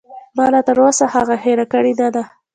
ما لاتر اوسه هغه هېره کړې نه ده.